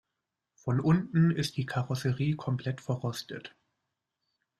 Von unten ist die Karosserie komplett verrostet.